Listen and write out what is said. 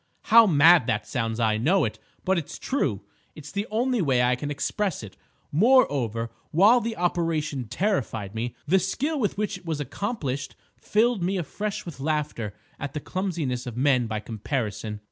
How mad that sounds! I know it, but it's true. It's the only way I can express it. Moreover, while the operation terrified me, the skill with which it was accomplished filled me afresh with laughter at the clumsiness of men by comparison.